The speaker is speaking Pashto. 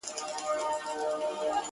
زموږ پر درد یې ګاونډي دي خندولي -